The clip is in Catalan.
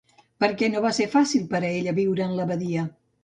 Per què no va ser fàcil per a ella viure en l'abadia?